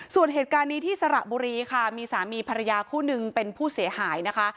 ส่วนเหตุการณ์นี้ที่สระบุรีค่ะมีสามีภรรยาคู่หนึ่งเป็นผู้เสียหายนะคะ